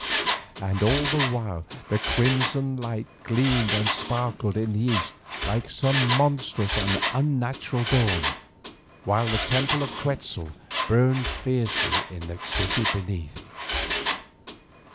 And all the while the crimson light gleamed and sparkled in the east like some monstrous and unnatural dawn, while the temple of Quetzal burned fiercely in the city beneath.